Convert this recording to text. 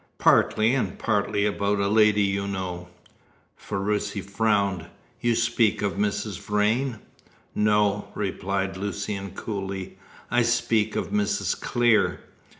"Partly, and partly about a lady you know." Ferruci frowned. "You speak of Mrs. Vrain?" "No," replied Lucian coolly. "I speak of Mrs. Clear."